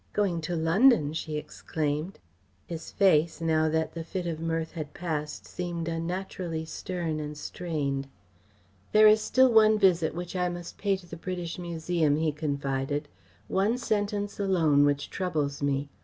"Going to London!" she exclaimed. His face, now that the fit of mirth had passed, seemed unnaturally stern and strained. "There is still one visit which I must pay to the British Museum," he confided; "one sentence alone which troubles me.